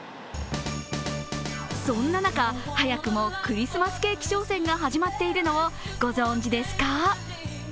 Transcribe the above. そんな中、早くもクリスマスケーキ商戦が始まっているのをご存じですか？